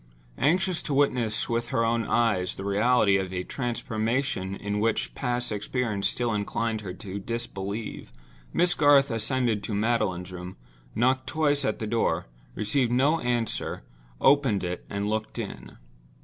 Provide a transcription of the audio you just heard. Anxious to witness with her own eyes the reality of a transformation in which past experience still inclined her to disbelieve, Miss Garth ascended to Magdalen's room, knocked twice at the door, received no answer, opened it and looked in.